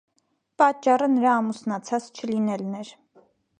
Պատճառը նրա ամուսնացած չլինելն էր։